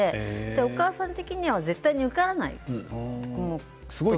お母さん的には絶対受からないと。